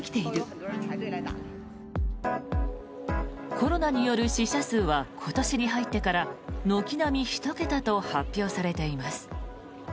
コロナによる死者数は今年に入ってから軒並み１桁と発表されています。